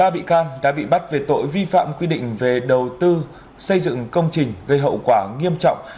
ba bị can đã bị bắt về tội vi phạm quy định về đầu tư xây dựng công trình gây hậu quả nghiêm trọng